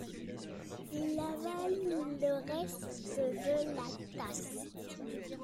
Il avale le reste de la tasse.